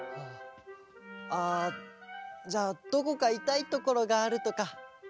あじゃあどこかいたいところがあるとか？